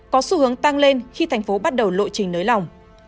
có xu hướng tăng lên khi thành phố bắt đầu lộ trình nới lỏng